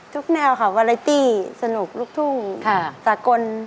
แนวค่ะวาเลตี้สนุกลูกทุ่งสากล